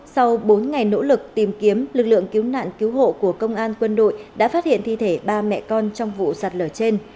sau bốn ngày nỗ lực tìm kiếm lực lượng cứu nạn cứu hộ của công an quân đội đã phát hiện thi thể ba mẹ con trong vụ sạt lở trên